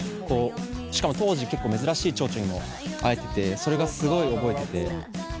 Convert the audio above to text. しかも当時結構珍しい蝶々にも会えててそれがすごい覚えてて。